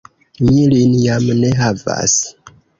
Mi lin jam ne havas!